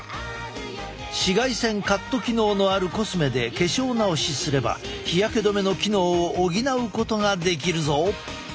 紫外線カット機能のあるコスメで化粧直しすれば日焼け止めの機能を補うことができるぞ。